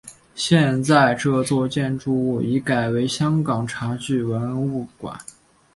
现在这座建筑物已改为香港茶具文物馆。